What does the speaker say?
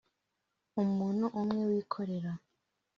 umuntu umwe wikorera